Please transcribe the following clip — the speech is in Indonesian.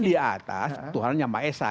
di atas tuhan yang ma'esah